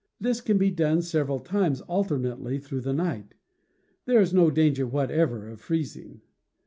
This can be done several times alternately through the night. There is no danger whatever of freezing.